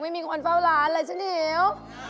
ไม่มีคนเฝ้าร้านเลยฉันอิ๋ว